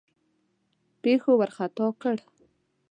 پیښو وارخطا کړ.